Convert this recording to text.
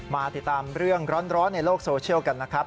มาติดตามเรื่องร้อนในโลกโซเชียลกันนะครับ